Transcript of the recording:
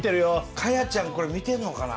果耶ちゃんこれ見てんのかな。